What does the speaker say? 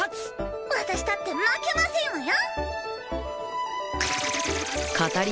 私だって負けませんわよ。